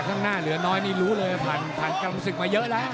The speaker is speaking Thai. ข้างหน้าเหลือน้อยนี่รู้เลยผ่านกรรมศึกมาเยอะแล้ว